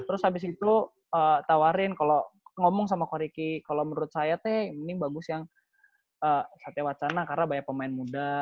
terus abis itu tawarin kalau ngomong sama ko riki kalau menurut saya nih ini bagus yang satya wacana karena banyak pemain muda